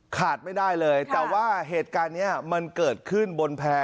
ขาดไม่ได้เลยแต่ว่าเหตุการณ์นี้มันเกิดขึ้นบนแพร่